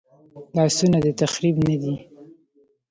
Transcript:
لاسونه د تخریب نه دي